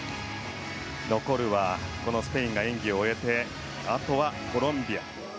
残るはスペインが演技を終えてあとはコロンビア。